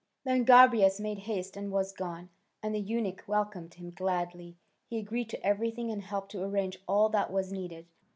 Then Gobryas made haste and was gone, and the eunuch welcomed him gladly; he agreed to everything and helped to arrange all that was needed.